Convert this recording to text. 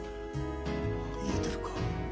言えてるか。